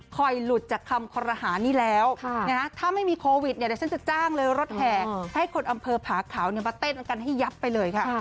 หลุดจากคำคอรหานี้แล้วถ้าไม่มีโควิดเนี่ยเดี๋ยวฉันจะจ้างเลยรถแห่ให้คนอำเภอผาขาวมาเต้นกันให้ยับไปเลยค่ะ